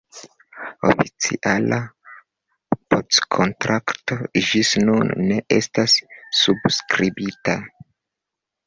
Oficiala packontrakto ĝis nun ne estas subskribita.